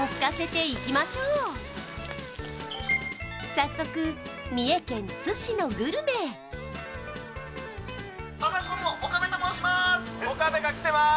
早速三重県津市のグルメへハナコの岡部と申します